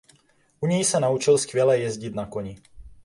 U něj se naučil skvěle jezdit na koni.